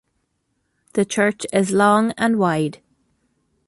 The church is long and wide.